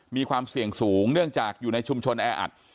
มีความเสี่ยงสูงเนื่องจากอยู่ในชุมชนแออัด